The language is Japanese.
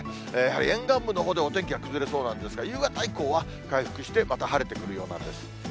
やはり沿岸部のほうでお天気が崩れそうなんですが、夕方以降は回復して、また晴れてくるようなんです。